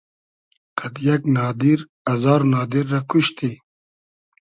قئد یئگ نادیر ازار نادیر رۂ کوشتی